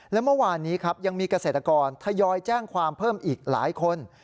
และเมื่อวานนี้ครับยังมีเกษตรกรทยอยแจ้งความเพิ่มอีกหลายคน